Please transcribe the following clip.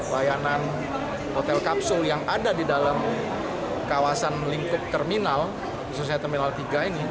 layanan hotel kapsul yang ada di dalam kawasan lingkup terminal khususnya terminal tiga ini